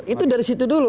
itu dari situ dulu